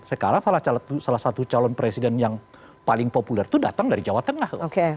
sekarang salah satu calon presiden yang paling populer itu datang dari jawa tengah